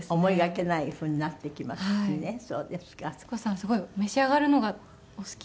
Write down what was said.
すごい召し上がるのがお好き。